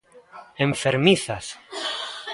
¡Enfermizas!